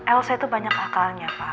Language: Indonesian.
elsa itu banyak akalnya pak